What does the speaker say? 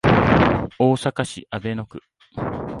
大阪市阿倍野区